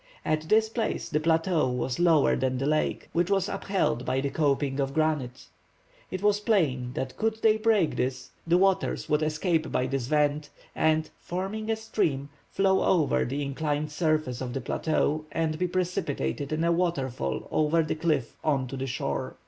At this place the plateau was lower than the lake, which was upheld by the coping of granite. It was plain that could they break this the waters would escape by this vent, and, forming a stream, flow over the inclined surface of the plateau, and be precipitated in a waterfall over the cliff on to the shore.